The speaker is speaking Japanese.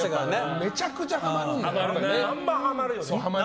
めちゃくちゃハマるんだよな。